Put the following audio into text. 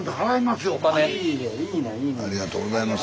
スタジオありがとうございます。